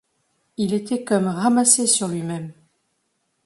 Il était comme ramassé sur lui-même.